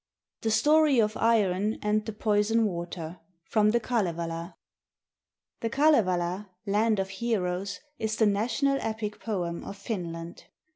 THE STORY OF IRON AND THE POISON WATER FROM THE KALEVALA [The Kalevala (land of heroes) is the national epic poem of Finland.